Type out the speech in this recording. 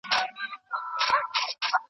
پرېښودل او له تعلقه خلاصون